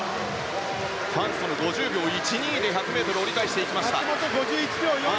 ファン・ソヌ、５０秒１２で１００ｍを折り返しました。